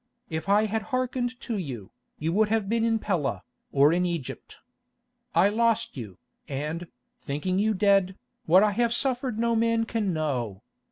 If I had hearkened to you, you would have been in Pella, or in Egypt. I lost you, and, thinking you dead, what I have suffered no man can know.